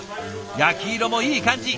焼き色もいい感じ。